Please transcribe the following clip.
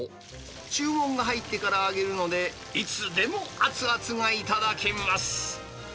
注文が入ってから揚げるので、いつでも熱々が頂けます。